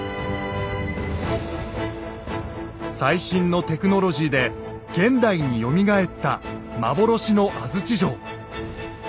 最新のテクノロジーで現代によみがえった幻の安土城。